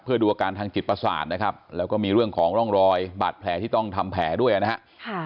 เพื่อดูอาการทางจิตประสาทนะครับแล้วก็มีเรื่องของร่องรอยบาดแผลที่ต้องทำแผลด้วยนะครับ